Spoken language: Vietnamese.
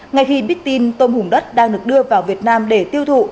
ngay khi biết tin tôm hùm đất đang được đưa vào việt nam để tiêu thụ